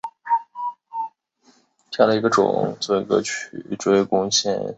原声带中收录了剧中大部份的所有歌曲。